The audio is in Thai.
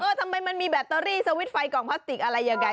ทำไมมันมีแบตเตอรี่สวิตช์ไฟกล่องพลาสติกอะไรยังไง